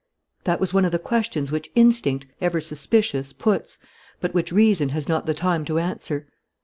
That was one of the questions which instinct, ever suspicious, puts, but which reason has not the time to answer.